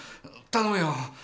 頼むよ。